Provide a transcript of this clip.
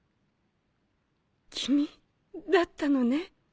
君だったのね。